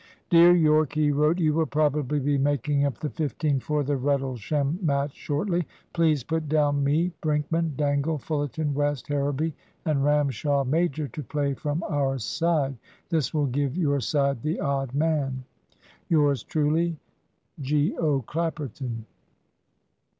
"Dear Yorke," he wrote, "You will probably be making up the fifteen for the Rendlesham match shortly. Please put down me, Brinkman, Dangle, Fullerton, West, Harrowby, and Ramshaw major, to play from our side. This will give your side the odd man. "Yours truly, "Geo. Clapperton."